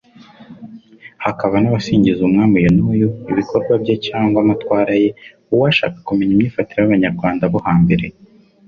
hakaba n'asingiza umwami uyu n'uyu, ibikorwa bye cyangwa amatwara ye. Uwashaka kumenya imyifatire y'Abanyarwanda bo hambere,